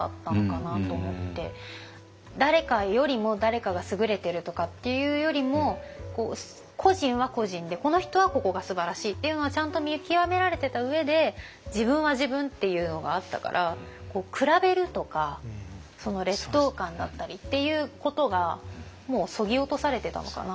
誰かよりも誰かが優れてるとかっていうよりも個人は個人でこの人はここがすばらしいっていうのはちゃんと見極められてた上で自分は自分っていうのがあったから比べるとか劣等感だったりっていうことがもうそぎ落とされてたのかな。